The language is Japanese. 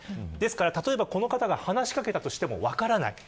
例えばこの方が話し掛けたとしても分からない。